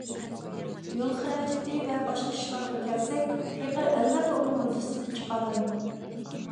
يول خىراجىتى ۋە باشقا ئىشلارغا كەلسەك، پېقىر ئەلۋەتتە ئۇنىڭ ھۆددىسىدىن چىقالايدۇ.